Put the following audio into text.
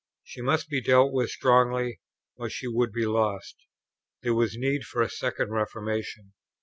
She must be dealt with strongly, or she would be lost. There was need of a second reformation.